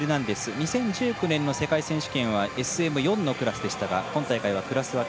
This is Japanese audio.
２０１９年の世界選手権はＳＭ４のクラスでしたが今大会はクラス分け